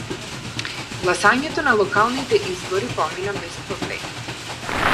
Гласањето на локалните избори помина без проблеми.